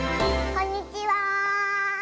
こんにちは！